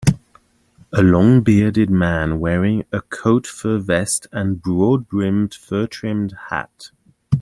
A longbearded man wearing a coat fur vest and broad brimmed furtrimmed hat